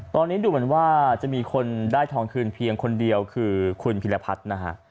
ตอนนี้ดูเหมือนว่าจะมีคนได้ทองคืนเพียงคนเดียวคือคุณพิรพัฒน์นะฮะ